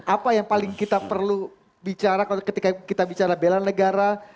apa yang paling kita perlu bicara ketika kita bicara bela negara